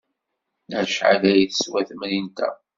Acḥal ay teswa temrint-a?